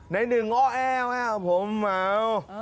ในหนึ่งอ้อแอ้วผมเหมา